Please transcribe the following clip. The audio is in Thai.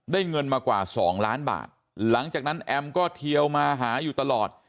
เงินมากว่าสองล้านบาทหลังจากนั้นแอมก็เทียวมาหาอยู่ตลอด